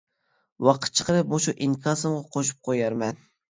ۋاقىت چىقىرىپ مۇشۇ ئىنكاسىمغا قوشۇپ قويارمەن.